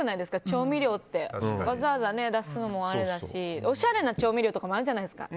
調味料ってわざわざ出すのもあれだしおしゃれな調味料とかもあるじゃないですか。